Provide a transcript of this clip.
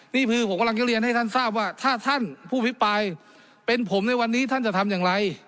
นี่คือผมกำลังจะเรียนให้ท่านทราบว่าถ้าท่านผู้พิปรายเป็นผมในวันนี้ท่านจะทำอย่างไร